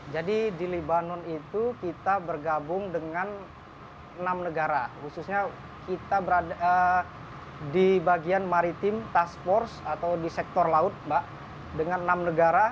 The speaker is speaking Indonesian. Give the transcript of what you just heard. jadi di lebanon itu kita bergabung dengan enam negara khususnya kita di bagian maritim task force atau di sektor laut dengan enam negara